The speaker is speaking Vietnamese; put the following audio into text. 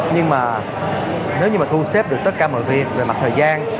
nhưng mà nếu như mà thu xếp được tất cả mọi việc về mặt thời gian